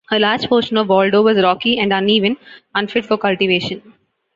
A large portion of Waldo was rocky and uneven, unfit for cultivation.